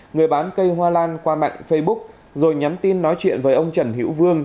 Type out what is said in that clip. người bán cây hoa lan qua mạng facebook rồi nhắm tin nói chuyện với ông trần hiễu vương